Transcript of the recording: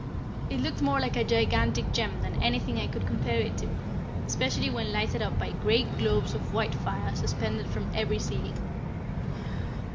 It looked more like a gigantic gem than anything I could compare it to, especially when lighted up by great globes of white fire suspended from every ceiling.